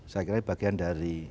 saya kira bagian dari